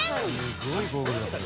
「すごいゴーグルだこれ」